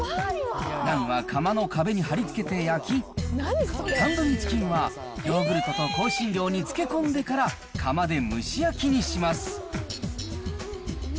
ナンは窯の壁に貼り付けて焼き、タンドリーチキンは、ヨーグルトと香辛料に漬け込んでから、窯で蒸し焼きにします。